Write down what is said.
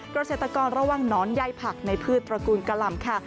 เกราะเศรษฐกรระหว่างหนอนไย้ผักในพืชตระกูลกะหล่ำค่ะ